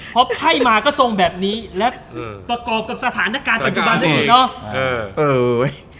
เพราะให้มาก็ทรงแบบนี้และประกอบกับสถานการณ์ปัจจุบันอื่นเนอะ